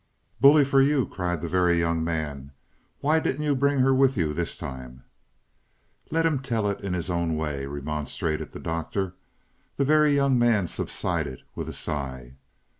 "Bully for you!" cried the Very Young Man. "Why didn't you bring her with you this time?" "Let him tell it his own way," remonstrated the Doctor. The Very Young Man subsided with a sigh.